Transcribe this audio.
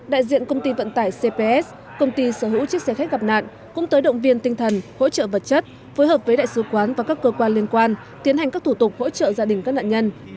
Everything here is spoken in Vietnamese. đại diện công ty vận tải cps công ty sở hữu chiếc xe khách gặp nạn cũng tới động viên tinh thần hỗ trợ vật chất phối hợp với đại sứ quán và các cơ quan liên quan tiến hành các thủ tục hỗ trợ gia đình các nạn nhân